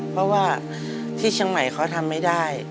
เพราะว่าที่เชียงใหม่เขาทำไม่ได้